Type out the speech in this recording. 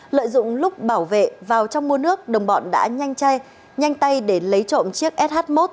lợi dụng lúc bảo vệ vào trong mua nước đồng bọn đã nhanh chay nhanh tay để lấy trộm chiếc sh một